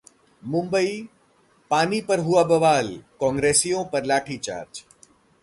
मुंबई: पानी पर हुआ बवाल, कांग्रेसियों पर लाठीचार्ज